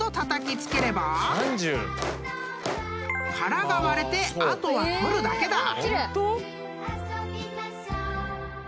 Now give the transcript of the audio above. ［殻が割れてあとは取るだけだ］